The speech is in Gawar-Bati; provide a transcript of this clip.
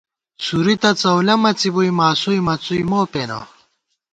سُوری تہ څؤلَہ مڅِبُوئی، ماسوئی مڅُوئی مو پېنہ